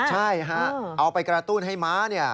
ใช่เอาไปกระตุ้นให้ม้า